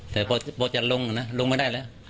แต่พอจะลงนะลงไม่ได้แล้ว